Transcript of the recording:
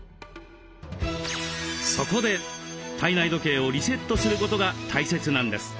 そこで体内時計をリセットすることが大切なんです。